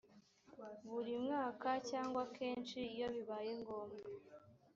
buri mwaka cyangwa kenshi iyo bibaye ngombwa